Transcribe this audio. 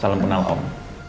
salam kenal om